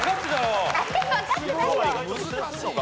今日は意外と難しいのか？